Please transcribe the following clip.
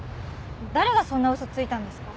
誰がそんな嘘ついたんですか？